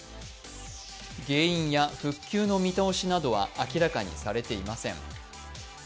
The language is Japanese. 原因や復旧の見通しなどは明らかにされていません。